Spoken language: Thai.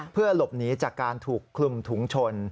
เพื่อหลบหนีจากการถูกคลุมถุงชน